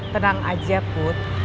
tenang aja put